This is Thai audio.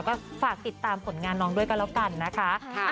ก็ฝากติดตามผลงานน้องด้วยกันแล้วกันนะคะ